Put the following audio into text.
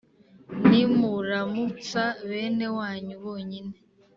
Nimuramutsa bene wanyu bonyine